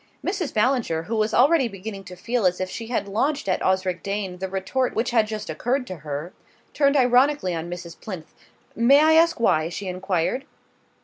Mrs. Ballinger, who was already beginning to feel as if she had launched at Osric Dane the retort which had just occurred to her, turned ironically on Mrs. Plinth. "May I ask why?" she enquired.